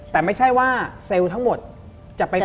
แต่ไม่ใช่ว่าเซลล์ทั้งหมดจะไปไหน